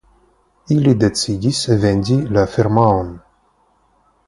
Ili decidis vendi la firmaon.